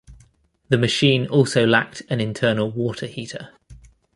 The machine also lacked an internal water heater.